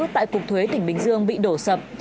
tại cục thuế tỉnh bình dương bị đổ sập